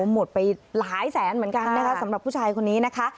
หมดไปหลายแสนเหมือนกันนะคะสำหรับผู้ชายคนนี้นะคะ